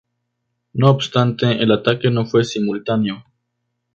No obstante el ataque no fue simultáneo.